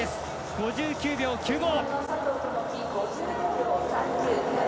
５９秒９５。